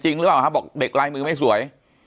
หรือเปล่าครับบอกเด็กลายมือไม่สวย